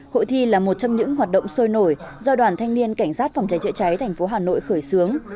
hội thi là một trong những hoạt động sôi nổi do đoàn thanh niên cảnh sát phòng trái trợ cháy tp hà nội khởi xướng